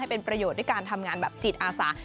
เป็นประโยชน์ด้วยการทำงานแบบจิตอาสา